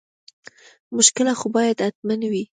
مشکله خو باید حتما وي.